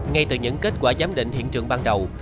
ngay từ những kết quả giám định hiện trường ban đầu